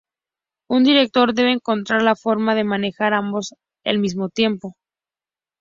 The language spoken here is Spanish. Un director debe encontrar la forma de manejar ambos al mismo tiempo.